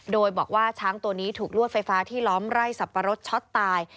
โดยบอกว่าช้างตัวนี้ถูกลวดไฟฟ้าที่ล้อมไร่สับปะรดช็อตตาย